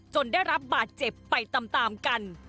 ได้รับบาดเจ็บไปตามกัน